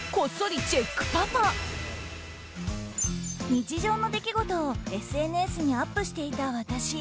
日常の出来事をＳＮＳにアップしていた私。